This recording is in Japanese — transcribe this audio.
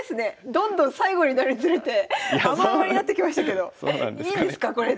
どんどん最後になるにつれて甘々になってきましたけどいいんですかこれで。